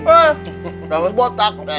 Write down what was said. eh jangan botak deh